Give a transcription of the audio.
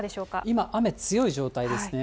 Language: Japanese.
今、雨強い状態ですね。